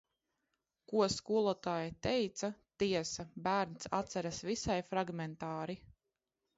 Ko skolotāja teica, tiesa, bērns atceras visai fragmentāri...